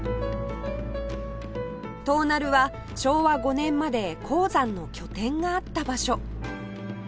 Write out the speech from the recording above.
東平は昭和５年まで鉱山の拠点があった場所